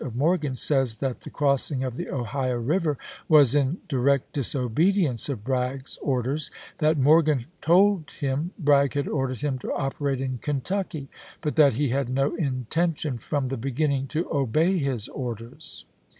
of Morgan, says that the crossing of the Ohio River "Mifgli'f ^^^^^ direct disobedience of Bragg's orders ; that ^ pT «Y' Morgan told him Bragg had ordered him to operate in Kentucky; but that he had no intention, from the beginning, to obey his orders.